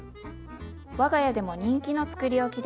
我が家でも人気のつくりおきです。